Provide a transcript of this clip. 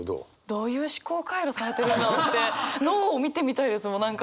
どういう思考回路されてるんだろうって脳を見てみたいですもん何か。